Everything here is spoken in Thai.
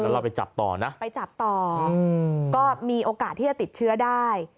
แล้วเราไปจับต่อนะไปจับต่อก็มีโอกาสที่จะติดเชื้อได้